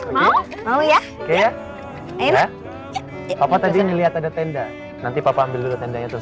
mau ya oke ya enggak apa tadi ngelihat ada tenda nanti papa ambil tendanya terus